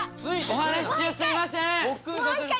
お話し中すいません！